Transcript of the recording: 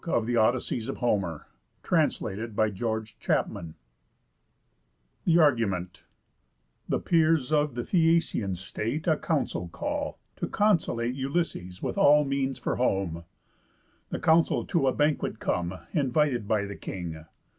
_ THE EIGHTH BOOK OF HOMER'S ODYSSEYS THE ARGUMENT The Peers of the Phæacian State A Council call, to consolate Ulysses with all means for home. The Council to a banquet come, Invited by the King.